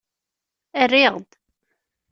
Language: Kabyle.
Rriɣ-d.